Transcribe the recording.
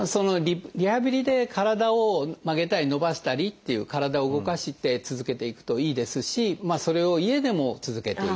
リハビリで体を曲げたり伸ばしたりという体を動かして続けていくといいですしそれを家でも続けていく。